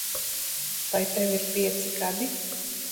Vai tev ir pieci gadi?